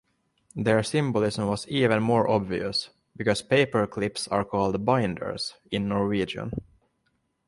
Their symbolism was even more obvious because paper clips are called "binders" in Norwegian.